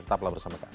tetaplah bersama kami